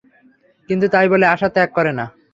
কিন্তু তাই বলে আশা ত্যাগ করে না।